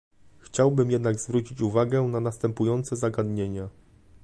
Chciałbym jednak zwrócić uwagę na następujące zagadnienia